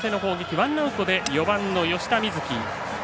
ワンアウトで４番の吉田瑞樹。